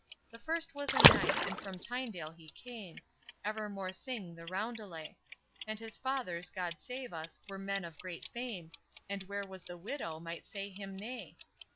The first was a knight, and from Tynedale he came, Ever more sing the roundelay; And his fathers, God save us, were men of great fame, And where was the widow might say him nay?